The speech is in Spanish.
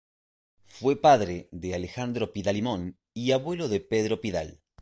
Fue padre de Alejandro Pidal y Mon y abuelo de Pedro Pidal.